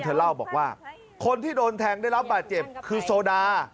เธอเล่าบอกว่าคนที่โดนแทงได้รับบาดเจ็บคือโซดา